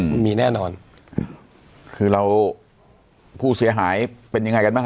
อืมมีแน่นอนคือเราผู้เสียหายเป็นยังไงกันบ้าง